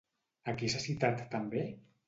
A qui s'ha citat també?